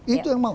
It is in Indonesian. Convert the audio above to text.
itu yang mau